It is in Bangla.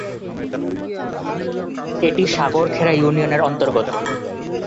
এটি সাগর খেরা ইউনিয়নের অন্তর্গত।